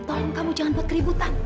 tolong kamu jangan buat keributan